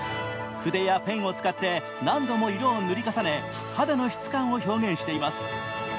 筆やペンを使って何度も色を塗り重ね、肌の質感を表現しています。